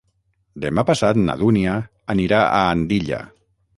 Demà passat na Dúnia anirà a Andilla.